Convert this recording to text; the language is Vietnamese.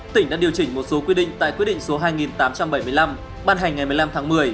tỉnh đã điều chỉnh một số quy định tại quyết định số hai tám trăm bảy mươi năm ban hành ngày một mươi năm tháng một mươi